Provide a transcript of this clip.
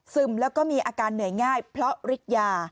แล้วก็มีอาการเหนื่อยง่ายเพราะฤทธิ์ยา